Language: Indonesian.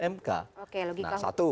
mk nah satu